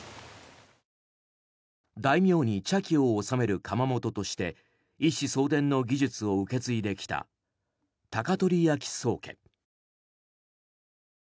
大名に茶器を収める窯元として一子相伝の技術を受け継いできた高取焼宗家。